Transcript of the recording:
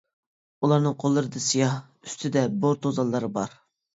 ئۇلارنىڭ قوللىرىدا سىياھ، ئۈستىدە بور توزانلىرى بار.